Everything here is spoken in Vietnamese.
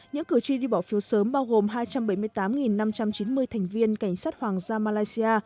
những cử tri đi bỏ phiếu sớm bao gồm hai trăm bảy mươi tám năm trăm chín mươi thành viên cảnh sát hoàng gia malaysia